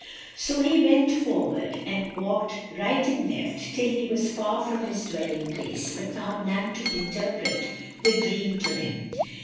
So he went forth and walked right and left, till he was far from his dwelling place, but found none to interpret the dream to him.